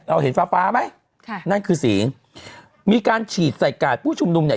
เห็นฟ้าฟ้าไหมค่ะนั่นคือสีมีการฉีดใส่กาดผู้ชุมนุมเนี่ย